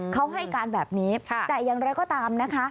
เขาให้การแบบนี้แต่อย่างไรก็ตามนะคะ